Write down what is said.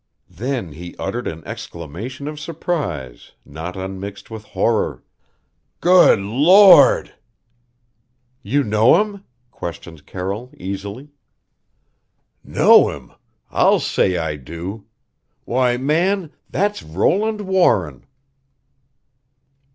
Then he uttered an exclamation of surprise not unmixed with horror. "Good Lord!" "You know him?" questioned Carroll easily. "Know him? I'll say I do. Why, man, that's Roland Warren!"